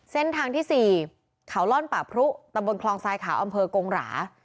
เส้นทางที่๔เขาล่อนป่าพรุตำบลคลองทรายขาวอำเภอกงหรา